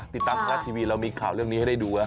ติดตามไทยรัฐทีวีเรามีข่าวเรื่องนี้ให้ได้ดู